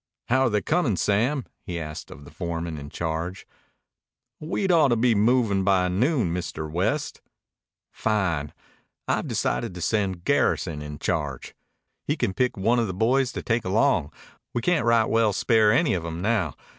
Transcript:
"How're they coming, Sam?" he asked of the foreman in charge. "We'd ought to be movin' by noon, Mr. West." "Fine. I've decided to send Garrison in charge. He can pick one of the boys to take along. We can't right well spare any of 'em now.